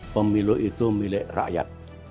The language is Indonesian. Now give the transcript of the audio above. pemilu itu milik rakyat